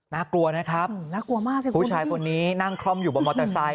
น่ากลัวนะครับน่ากลัวมากสิคุณผู้ชายคนนี้นั่งคล่อมอยู่บนมอเตอร์ไซค